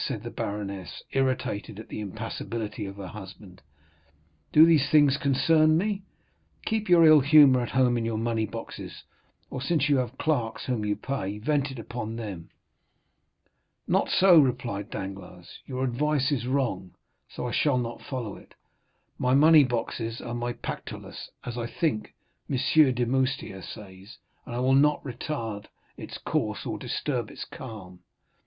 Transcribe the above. said the baroness, irritated at the impassibility of her husband; "do these things concern me? Keep your ill humor at home in your money boxes, or, since you have clerks whom you pay, vent it upon them." "Not so," replied Danglars; "your advice is wrong, so I shall not follow it. My money boxes are my Pactolus, as, I think, M. Demoustier says, and I will not retard its course, or disturb its calm.